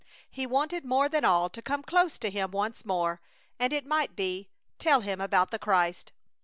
He wanted more than all to come close to him once more, and, it might be, tell him about the Christ.